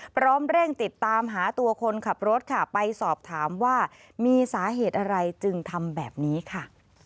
พร้อมเร่งติดตามหาตัวคนขับรถค่ะไปสอบถามว่ามีสาเหตุอะไรจึงทำแบบนี้ค่ะ